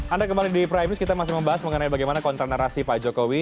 anda kembali di prime news kita masih membahas mengenai bagaimana kontra narasi pak jokowi